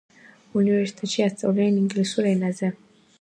უნივერსიტეტში ასწავლიან ინგლისურ ენაზე.